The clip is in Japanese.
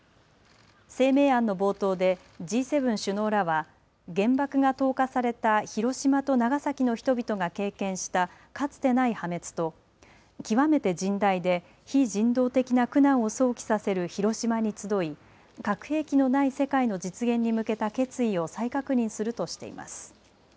声明案の冒頭で、Ｇ７首脳らは、原爆が投下された広島と長崎の人々が経験した、かつてない破滅と、極めて甚大で非人道的な苦難を想起させる広島に集い、核兵器のない世界の実現に向けた決意を再確認するとしています。